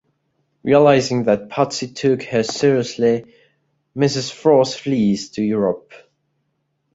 Realizing that Patsy took her seriously, Mrs Frost flees to Europe.